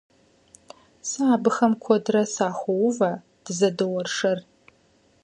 Сэ абыхэм куэдрэ сахуозэ, дызэдоуэршэр.